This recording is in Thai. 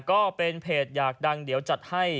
ก็เป็นเพจอยากดังเดี๋ยวจัดให้